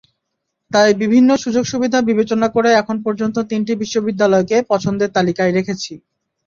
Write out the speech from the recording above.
তাই বিভিন্ন সুযোগ-সুবিধা বিবেচনা করে এখন পর্যন্ত তিনটি বিশ্ববিদ্যালয়কে পছন্দের তালিকায় রেখেছি।